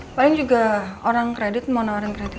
apalagi orang kredit mau nawarin kredit